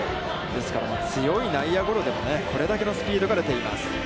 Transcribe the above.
ですから、強い内野ゴロでも、これだけのスピードが出ています。